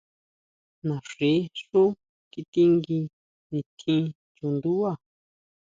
Naxí xú kitingui nitjín chundubá.